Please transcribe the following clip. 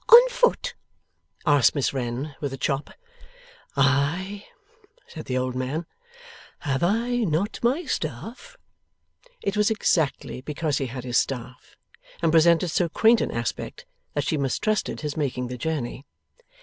'On foot?' asked Miss Wren, with a chop. 'Ay!' said the old man. 'Have I not my staff?' It was exactly because he had his staff, and presented so quaint an aspect, that she mistrusted his making the journey.